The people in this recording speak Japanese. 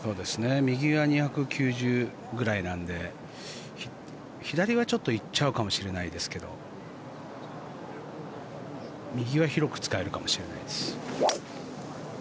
右が２９０ぐらいなので左はちょっと行っちゃうかもしれないですけど右は広く使えるかもしれないです。